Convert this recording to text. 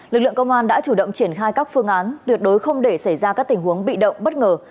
lực lượng công an đã chủ động triển khai các phương án tuyệt đối không để xảy ra các tình huống bị động bất ngờ